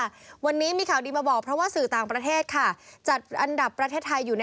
วันนี้มีข่าวดีมาบอกเพราะว่าสื่อต่างประเทศค่ะจัดอันดับประเทศไทยอยู่ใน